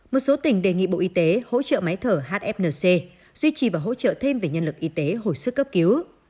một số tỉnh đề nghị bộ y tế hỗ trợ máy thở hfnc duy trì và hỗ trợ thêm về nhân lực y tế hồi sức cấp cứu